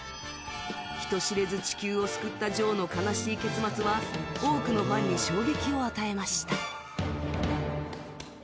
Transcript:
人知れず地球を救ったジョーの悲しい結末は多くのファンに衝撃を与えました。